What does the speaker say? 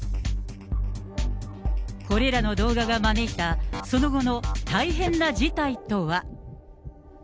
これらの動画が招いたその後の大変な事態とは。